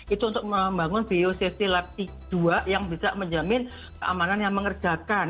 itu untuk membangun bio safety lab t dua yang bisa menjamin keamanan yang mengerjakan